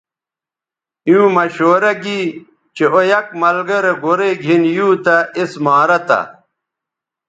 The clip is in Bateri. ایووں مشورہ گی چہء او یک ملگرے گورئ گِھن یُو تہ اس مارہ تھہ